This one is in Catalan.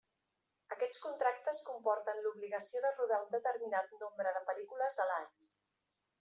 Aquests contractes comporten l'obligació de rodar un determinat nombre de pel·lícules a l'any.